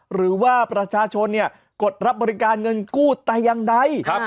หรือว่าประชาชนกดรับบริการเงินกู้แต่อย่างใด